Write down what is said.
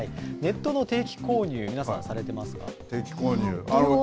ネットの定期購入皆さんされてますか。